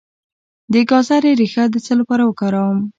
د ګازرې ریښه د څه لپاره وکاروم؟